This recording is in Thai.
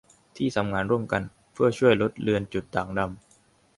ที่ทำงานร่วมกันเพื่อช่วยลดเลือนจุดด่างดำ